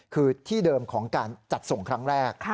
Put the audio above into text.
คือที่เดิมของการจัดส่งครั้งแรก